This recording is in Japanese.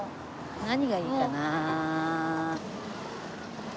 何がいいかなあ。